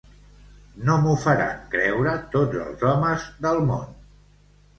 No m'ho faran creure tots els homes del món.